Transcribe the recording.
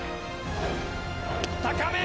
高め！